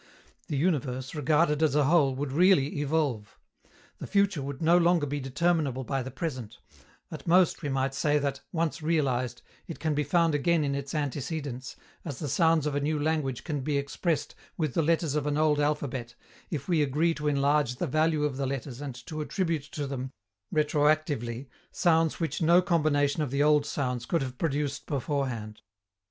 The universe, regarded as a whole, would really evolve. The future would no longer be determinable by the present; at most we might say that, once realized, it can be found again in its antecedents, as the sounds of a new language can be expressed with the letters of an old alphabet if we agree to enlarge the value of the letters and to attribute to them, retro actively, sounds which no combination of the old sounds could have produced beforehand.